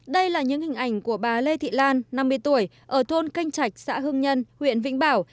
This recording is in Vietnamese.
đây là những hình ảnh của bà lê thị lan năm mươi tuổi ở thôn canh trạch xã hưng nhân huyện vĩnh bảo